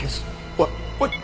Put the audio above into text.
おいおい！